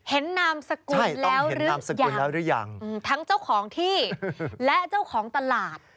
เห็นนามสกุลแล้วหรือยังทั้งเจ้าของที่และเจ้าของตลาด